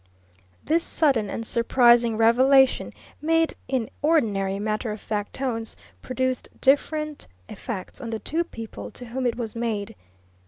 This sudden and surprising revelation, made in ordinary matter of fact tones, produced different effects on the two people to whom it was made.